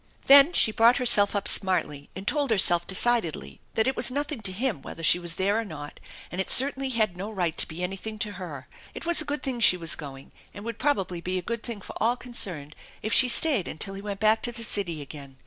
Then she brought herself up smartly and told herself decidedly that it was nothing to him whether she was there or not, and it certainly had no right to be anything to her. It was a good thing she was going, and would probably be a good thing for all concerned if she stayed until he went back to the city again.